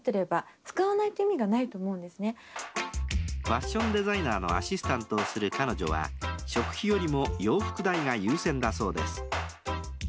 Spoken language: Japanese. ファッションデザイナーのアシスタントをする彼女は食費よりも洋服代が優先だそうです。